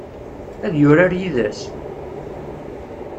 Ad yurar yid-s?